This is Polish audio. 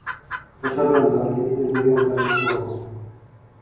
"Poszedłem za nim, nie mówiąc ani słowa."